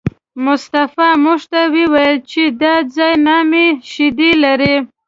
مصطفی موږ ته وویل چې دا ځای نامي شیدې لري.